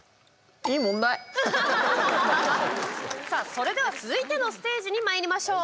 それでは続いてのステージにまいりましょう。